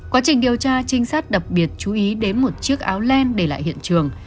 quá trình điều tra trinh sát đặc biệt chú ý đến một chiếc áo len để lại hiện trường